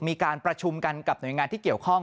มีการประชุมกันกับหน่วยงานที่เกี่ยวข้อง